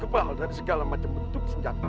tebal dari segala macam bentuk senjata